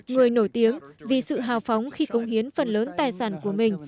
người nổi tiếng vì sự hào phóng khi công hiến phần lớn tài sản của mình